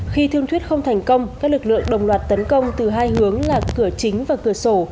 khi thương thuyết không thành công các lực lượng đồng loạt tấn công từ hai hướng là cửa chính và cửa sổ